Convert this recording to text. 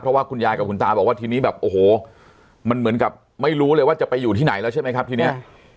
เพราะว่าคุณยายกับคุณตาบอกว่าทีนี้แบบโอ้โหมันเหมือนกับไม่รู้เลยว่าจะไปอยู่ที่ไหนแล้วใช่ไหมครับทีนี้